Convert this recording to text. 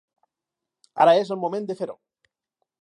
Ara és el moment de fer-ho.